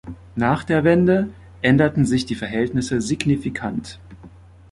Nach der Wende änderten sich die Verhältnisse signifikant.